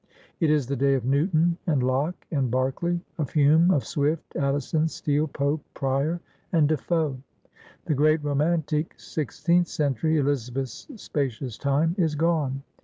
It is the day of Newton and Locke and Berkeley, of Hume, of Swift, Addison, Steele, Pope, Prior, and Defoe. The great romantic sixteenth century, Elizabeth's spacious time, is gone.